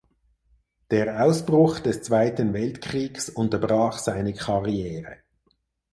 Der Ausbruch des Zweiten Weltkriegs unterbrach seine Karriere.